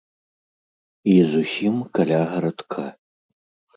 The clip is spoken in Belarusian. І зусім каля гарадка!